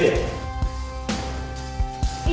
masih mau berantem